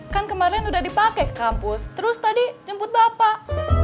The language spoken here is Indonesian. kan kemarin udah dipake kampus terus tadi jemput bapak